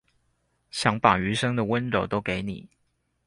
想把餘生的溫柔都給你